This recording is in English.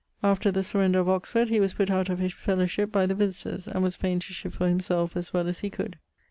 After the surrender of Oxford, he was putt out of his fellowship by the Visitors, and was faine to shift for himselfe as well as he could.